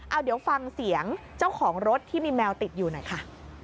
เอาเดี๋ยวฟังเสียงเจ้าของรถที่มีแมวติดอยู่หน่อยค่ะ